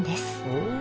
おお！